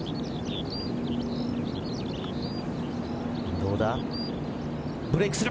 どうだ。